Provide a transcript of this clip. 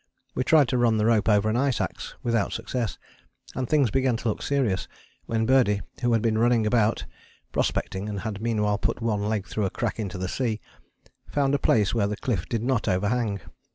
We tried to run the rope over an ice axe without success, and things began to look serious when Birdie, who had been running about prospecting and had meanwhile put one leg through a crack into the sea, found a place where the cliff did not overhang.